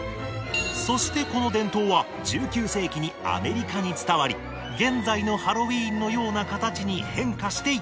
そしてこの伝統は１９世紀にアメリカに伝わり現在のハロウィーンのような形に変化していったのです。